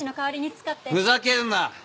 ふざけるな！